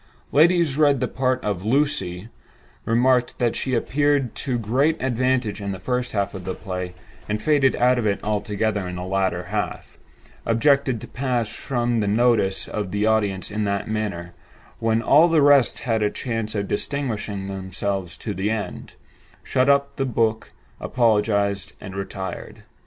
Ladies read the part of "Lucy"; remarked that she appeared to great advantage in the first half of the play, and faded out of it altogether in the latter half; objected to pass from the notice of the audience in that manner, when all the rest had a chance of distinguishing themselves to the end; shut up the book, apologized, and retired.